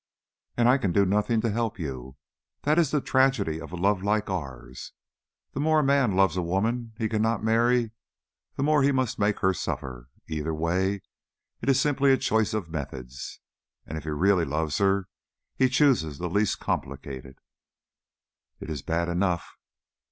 "And I can do nothing to help you! That is the tragedy of a love like ours: the more a man loves a woman he cannot marry the more he must make her suffer either way; it is simply a choice of methods, and if he really loves her he chooses the least complicated." "It is bad enough."